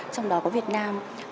trong đó có việt nam